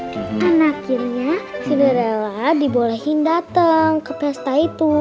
dan akhirnya cinderella dibolehin datang ke pesta itu